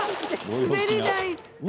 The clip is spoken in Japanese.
滑り台だ。